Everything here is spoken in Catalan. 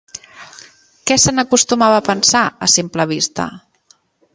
Què se n'acostumava a pensar, a simple vista?